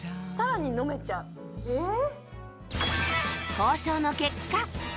交渉の結果